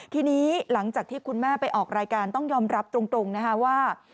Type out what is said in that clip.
ทีนี้หลังจากที่คุณแม่ไปออกรายการต้องยอมรับตรงนะคะว่า